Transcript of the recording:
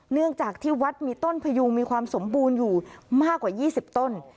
เนื่องจากที่วัดมีต้นพยุงมีความสมบูรณ์อยู่มากกว่า๒๐ต้น